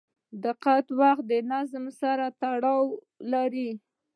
• دقیق وخت د نظم سره تړاو لري.